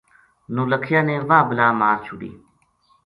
نو لکھیا نے واہ بلا مار چھوڈی